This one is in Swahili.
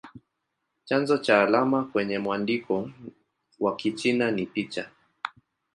Chanzo cha alama kwenye mwandiko wa Kichina ni picha.